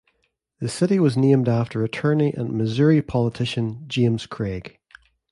The city was named after the attorney and Missouri politician James Craig.